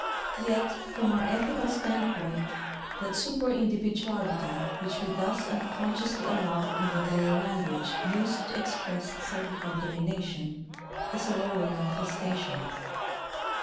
Yet, from our ethical standpoint, that super individuality which we thus unconsciously allow in the very language used to express psychical domination, is a lower manifestation.